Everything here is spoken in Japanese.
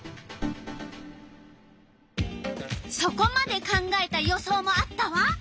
そこまで考えた予想もあったわ。